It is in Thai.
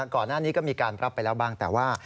ก่อนหน้านี้ก็มีการรับไปแล้วบ้างแต่ว่า